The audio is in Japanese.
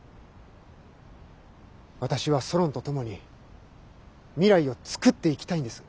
私はソロンと共に未来を創っていきたいんです。